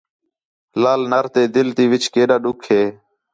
لال نَر تے دِل تے وِچ کیݙا ݙُکھ ہے